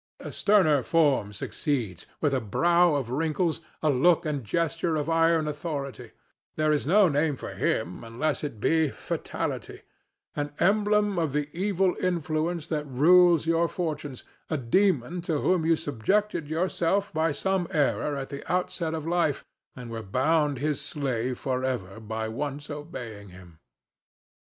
A sterner form succeeds, with a brow of wrinkles, a look and gesture of iron authority; there is no name for him unless it be Fatality—an emblem of the evil influence that rules your fortunes, a demon to whom you subjected yourself by some error at the outset of life, and were bound his slave for ever by once obeying him.